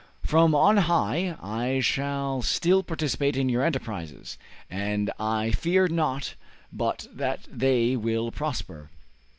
From on high I shall still participate in your enterprises, and I fear not but that they will prosper."